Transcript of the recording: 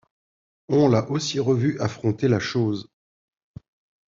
On l'a aussi revu affronter La Chose.